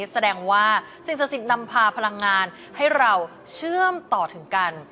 ก็จะแสดงว่าสินนำพาพลังงานให้เราเชื่อมต่อถึงกัน